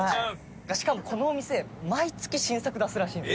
しかもこのお店毎月新作出すらしいんです。